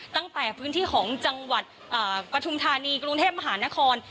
ตั้งแต่พื้นที่ของจังหวัดปฐุมธานีกรุงเทพมหานคร